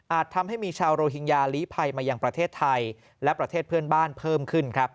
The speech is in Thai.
ทำให้มีชาวโรฮิงญาลีภัยมายังประเทศไทยและประเทศเพื่อนบ้านเพิ่มขึ้นครับ